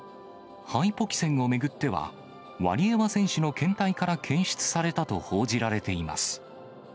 ハイポキセンを巡っては、ワリエワ選手の検体から検出されたと報じられています。